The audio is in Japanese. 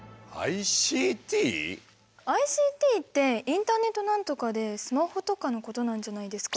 ＩＣＴってインターネット何とかでスマホとかのことなんじゃないですか？